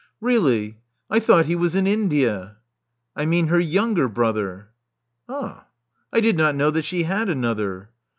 Rcal!y! I thought he was in India." *'I mean her younger brother." *'Ah, I did not know that she had another."